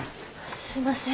すいません